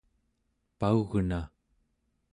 paugna